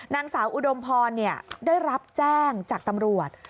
นางสาวอุดมพรได้รับแจ้งจากตำรวจ